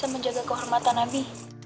bisa menjaga kehormatan nabi